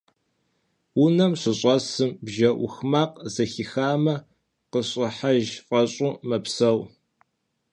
Унэм щыщӀэсым, бжэ Ӏух макъ зэхихамэ, къыщӀыхьэж фӀэщӀу мэпсэу.